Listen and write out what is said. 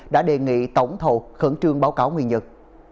đã đề nghị tổng thầu khẩn trương báo cáo nguyên nhân